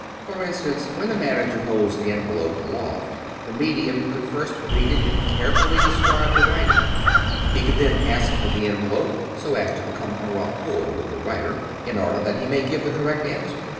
For instance, when the manager holds the envelope aloft, the medium could first read it and carefully describe the writing. He could then ask for the envelope, so as to be come en rapport with the writer, in order that he may give the correct answer.